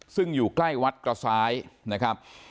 ซึ่งอยู่ใกล้วัดกระซ้ายนะครับ